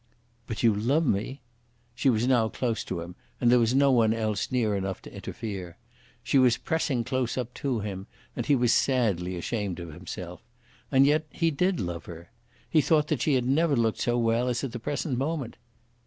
"But you love me!" She was now close to him, and there was no one else near enough to interfere. She was pressing close up to him, and he was sadly ashamed of himself. And yet he did love her. He thought that she had never looked so well as at the present moment.